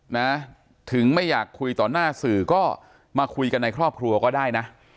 นะถึงไม่อยากคุยต่อหน้าสื่อก็มาคุยกันในครอบครัวก็ได้นะ